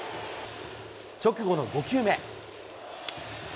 直後の５球目。